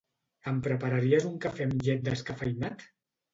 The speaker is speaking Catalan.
Em prepararies un cafè amb llet descafeïnat?